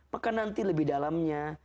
maka nanti lebih dalamnya